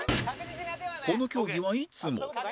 この競技はいつも